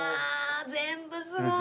全部すごい！